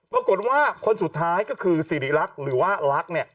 ปรากฏว่าคนสุดท้ายก็คือสิริรักษ์หรือว่าลักษณ์เนี่ย